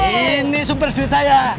ini sumber duit saya